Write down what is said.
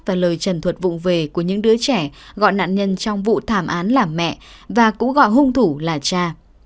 và lời trần thuật vụn về của những đứa trẻ gọi nạn nhân trong vụ thảm án làm mẹ và cũng gọi hung thủ là cha